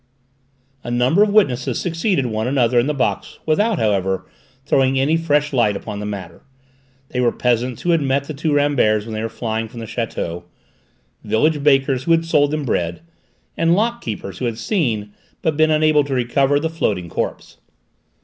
A number of witnesses succeeded one another in the box, without, however, throwing any fresh light upon the matter; they were peasants who had met the two Ramberts when they were flying from the château, village bakers who had sold them bread, and lockkeepers who had seen, but been unable to recover, the floating corpse.